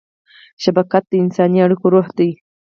شفقت د انساني اړیکو روح دی.